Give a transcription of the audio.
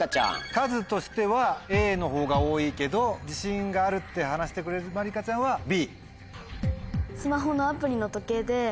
数としてはＡの方が多いけど自信があるって話してくれるまりかちゃんはＢ。